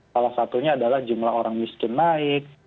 salah satunya adalah jumlah orang miskin naik